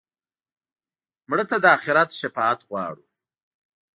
مړه ته د آخرت شفاعت غواړو